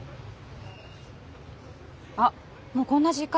あっもうこんな時間。